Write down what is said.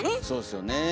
そうですよね。